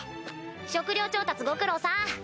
食料調達ご苦労さん！